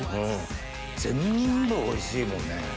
全部おいしいもんね。